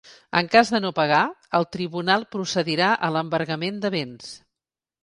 En cas de no pagar, el tribunal procedirà a l’embargament de béns.